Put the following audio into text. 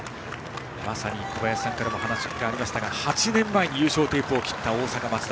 まさに小林さんからもお話がありましたが８年前に優勝テープを切った大阪の松田。